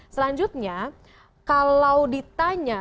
selanjutnya kalau ditanya